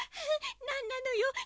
「何なのよ？